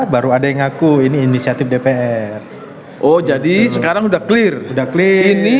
dua ribu dua puluh tiga baru ada yang ngaku ini inisiatif dpr oh jadi sekarang udah clear udah klik ini